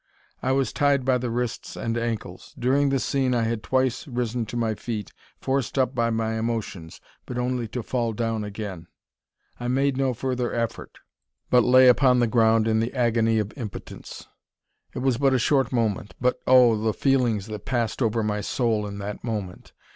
I was tied by the wrists and ankles. During the scene I had twice risen to my feet, forced up by my emotions, but only to fall down again. I made no further effort, but lay upon the ground in the agony of impotence. It was but a short moment; but, oh! the feelings that passed over my soul in that moment!